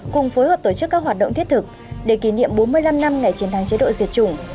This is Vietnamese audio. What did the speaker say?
cùng phối hợp tổ chức các hoạt động thiết thực để kỷ niệm bốn mươi năm năm ngày chiến thắng chế độ diệt chủng